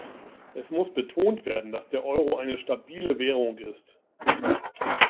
Es muss betont werden, dass der Euro eine stabile Währung ist.